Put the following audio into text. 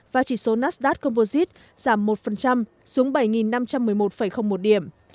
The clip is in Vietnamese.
và chỉ số nasdad composite giảm một xuống bảy năm trăm một mươi một một điểm